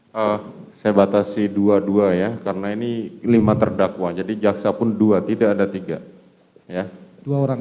hai oh saya batasi dua puluh dua ya karena ini lima terdakwa jadi jaksa pun dua tidak ada tiga ya dua orang